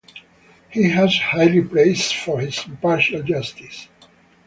He has highly praised for his impartial justice.